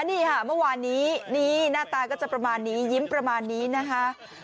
นี่ค่ะเมื่อวานนี้นี่หน้าตาก็จะประมาณนี้ยิ้มประมาณนี้นะคะ